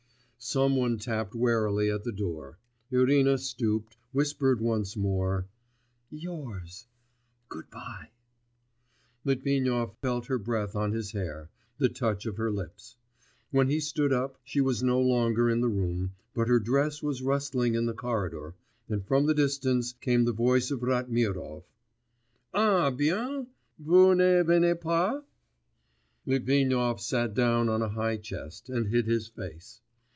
Some one tapped warily at the door. Irina stooped, whispered once more, 'Yours ... good bye!' Litvinov felt her breath on his hair, the touch of her lips. When he stood up, she was no longer in the room, but her dress was rustling in the corridor, and from the distance came the voice of Ratmirov: 'Eh bien? Vous ne venez pas?' Litvinov sat down on a high chest, and hid his face.